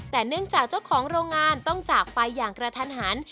แต่เนื่องจากเจ้าของโรงงานต้องจากไปอย่างกระทันหัน